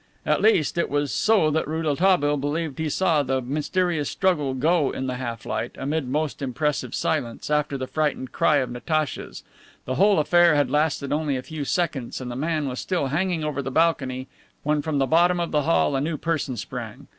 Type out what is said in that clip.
At least, it was so that Rouletabille believed he saw the mysterious struggle go in the half light, amid most impressive silence, after that frightened cry of Natacha's. The whole affair had lasted only a few seconds, and the man was still hanging over the balcony, when from the bottom of the hall a new person sprang.